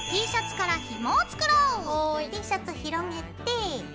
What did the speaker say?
Ｔシャツ広げて。